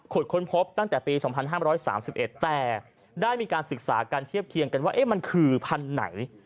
ค้นพบตั้งแต่ปี๒๕๓๑แต่ได้มีการศึกษาการเทียบเคียงกันว่ามันคือพันธุ์ไหน